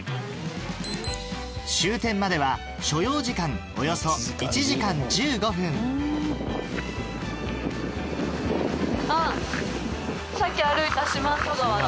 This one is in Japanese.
終点までは所要時間およそ１時間１５分あっさっき歩いた四万十川だ。